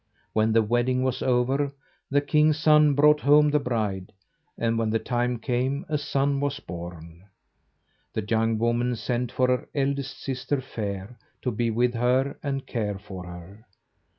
When the wedding was over, the king's son brought home the bride, and when the time came a son was born. The young woman sent for her eldest sister, Fair, to be with her and care for her.